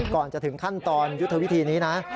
ก่อนจะถึงขั้นตอนยุทธวิธีนี้นะ